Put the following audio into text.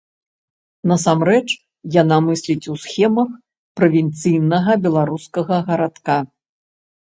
Насамрэч, яна мысліць у схемах правінцыйнага беларускага гарадка.